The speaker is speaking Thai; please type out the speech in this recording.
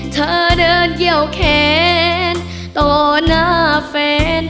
เธอเดินเกี่ยวแขนต่อหน้าแฟน